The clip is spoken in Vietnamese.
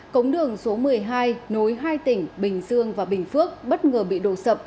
cống đường số một mươi hai nối hai tỉnh bình dương và bình phước bất ngờ bị đổ sập